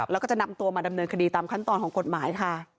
แล้วก็จะนำตัวมาดำเนินคดีตามขั้นตอนของกฎหมายค่ะ